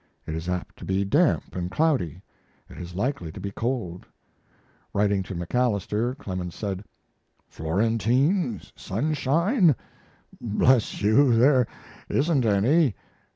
It is apt to be damp and cloudy; it is likely to be cold. Writing to MacAlister, Clemens said: Florentine sunshine? Bless you, there isn't any.